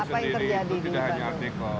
nah di bandung sendiri itu tidak hanya art deko